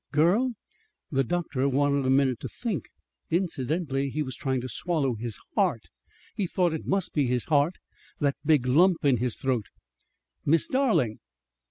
"G girl?" The doctor wanted a minute to think. Incidentally he was trying to swallow his heart he thought it must be his heart that big lump in his throat. "Miss Darling."